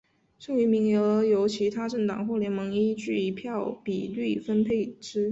剩余名额由其他政党或联盟依得票比率分配之。